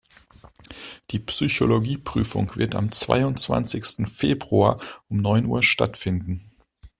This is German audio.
Die Psychologie-Prüfung wird am zweiundzwanzigsten Februar um neun Uhr stattfinden.